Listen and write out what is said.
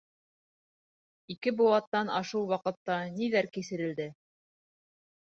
Ике быуаттан ашыу ваҡытта ниҙәр кисерелде?